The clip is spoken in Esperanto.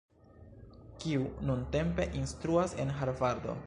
kiu nuntempe instruas en Harvardo.